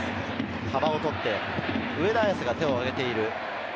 幅をとって、上田が手を挙げている。